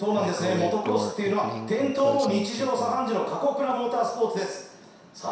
モトクロスっていうのは転倒も日常茶飯事の過酷なモータースポーツですさあ